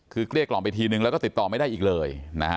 คือเกลี้ยกล่อมไปทีนึงแล้วก็ติดต่อไม่ได้อีกเลยนะฮะ